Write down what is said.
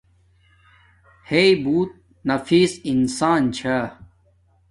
ہݵ بوت نفیس انسان چھا